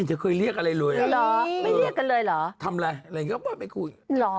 อะไรอย่างนี้พบก็ไม่คุย